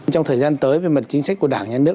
trong thời gian tới về mặt chính sách của đảng nhà nước